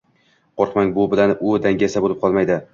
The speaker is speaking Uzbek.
Qo‘rqmang, bu bilan u dangasa bo‘lib qolmaydi.